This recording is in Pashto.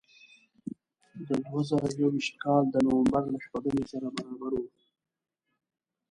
د دوه زره یو ویشت کال د نوامبر له شپږمې سره برابر و.